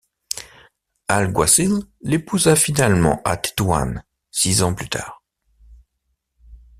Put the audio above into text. Alguacil l'épousa finalement à Tétouan six ans plus tard.